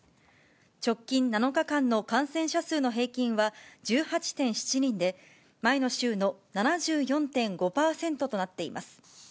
直近７日間の感染者数の平均は１８．７人で、前の週の７４．５％となっています。